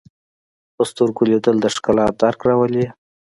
په سترګو لیدل د ښکلا درک راولي